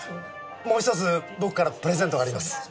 もう一つ僕からプレゼントがあります。